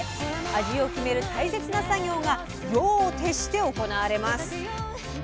味を決める大切な作業が夜を徹して行われます。